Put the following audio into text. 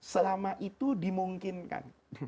selama itu dimungkinkan